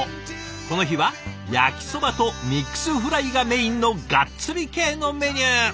この日は焼きそばとミックスフライがメインのがっつり系のメニュー。